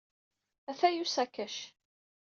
Ataya usakac.